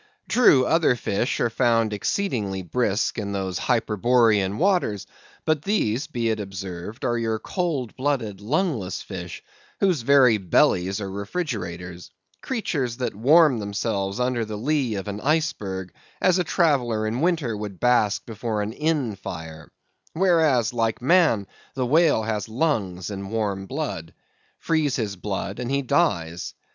True, other fish are found exceedingly brisk in those Hyperborean waters; but these, be it observed, are your cold blooded, lungless fish, whose very bellies are refrigerators; creatures, that warm themselves under the lee of an iceberg, as a traveller in winter would bask before an inn fire; whereas, like man, the whale has lungs and warm blood. Freeze his blood, and he dies.